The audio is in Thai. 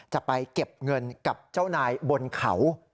จะไปเก็บเงินกับเจ้านายบนเขา